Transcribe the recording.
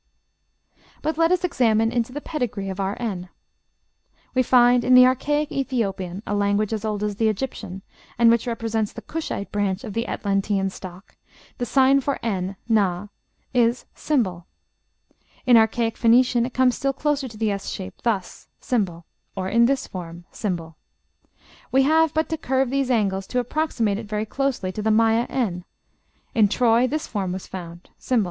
But let us examine into the pedigree of our n. We find in the archaic Ethiopian, a language as old as the Egyptian, and which represents the Cushite branch of the Atlantean stock, the sign for n (na) is ###; in archaic Phoenician it comes still closer to the S shape, thus, ###, or in this form, ###; we have but to curve these angles to approximate it very closely to the Maya n; in Troy this form was found, ###.